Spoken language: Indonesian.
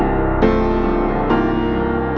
aku gak dengerin kata kata kamu mas